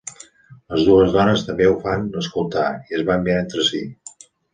Les dues dones també ho van escoltar i es van mirar entre sí.